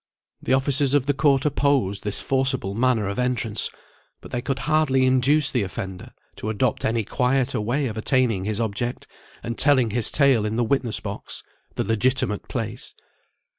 The officers of the court opposed this forcible manner of entrance, but they could hardly induce the offender to adopt any quieter way of attaining his object, and telling his tale in the witness box, the legitimate place.